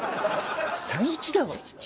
３１だわ！